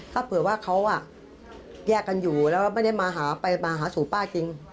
ถ้าเผื่อว่าเขาแยกกันอยู่แล้วก็ไม่ได้มาหาไปมาหาสู่ป้าจริง